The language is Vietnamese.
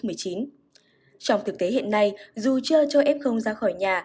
trong thực tế hiện nay dù chưa cho f ra khỏi nhà